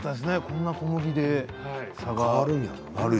こんな小麦で差があるなんて。